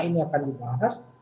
ini akan dibahas